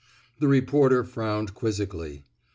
The reporter frowned quizzically.